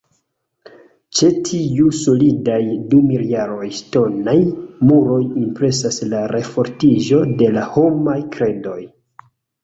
Ĉe tiuj solidaj dumiljaraj ŝtonaj muroj impresas la refortiĝo de la homaj kredoj.